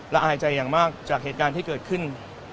อายใจอย่างมากจากเหตุการณ์ที่เกิดขึ้น